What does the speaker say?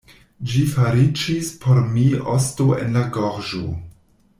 Ĝi fariĝis por mi osto en la gorĝo.